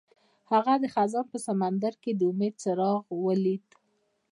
هغه د خزان په سمندر کې د امید څراغ ولید.